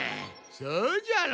そうじゃろう。